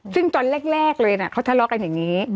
ซึ่งตอนแรกเลยนะเขาทะเลาะกันอย่างนี้